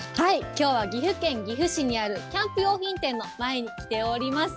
きょうは岐阜県岐阜市にある、キャンプ用品店の前に来ております。